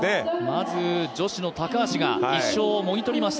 まず、女子の高橋が１勝をもぎ取りました。